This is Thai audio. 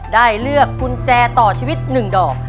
ได้เลือกกุญแจต่อชีวิต๑ดอก